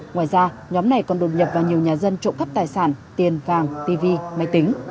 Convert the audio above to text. ngoài ra nhóm này còn đột nhập vào nhiều nhà dân trộm cắp tài sản tiền vàng tv máy tính